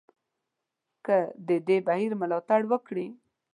که د دې بهیر ملاتړ وکړي.